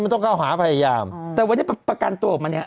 มันต้องเข้าหาพยายามแต่วันนี้ประกันตัวออกมาเนี้ย